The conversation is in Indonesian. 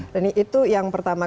dan itu yang pertama